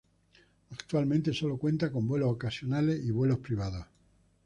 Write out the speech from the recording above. Actualmente sólo cuenta con vuelos ocasionales y vuelos privados.